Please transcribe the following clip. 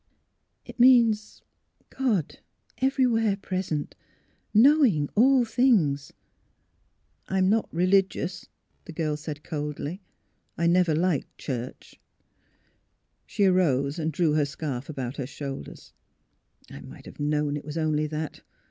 " It means — God, everywhere present, knowing all things " "I'm not religious," the girl said, coldly. " I never liked church." AT THE PAESONAGE 233 She arose, and drew her scarf about her shoulders. " I might have known it was only that.